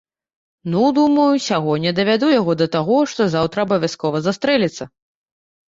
Ну, думаю, сягоння давяду яго да таго, што заўтра абавязкова застрэліцца.